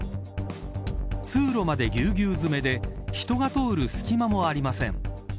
通路までぎゅうぎゅう詰めで人が通る隙間もありません。